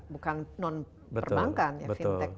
bukan non perbankan ya fintech